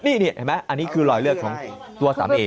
นี่อันนี้คือรอยเลือดของตัวสามีเอง